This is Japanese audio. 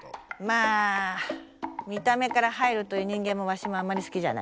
まあ見た目から入るという人間もわしもあんまり好きじゃないな。